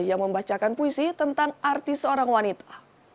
yang membacakan puisi tentang artis seorang wanita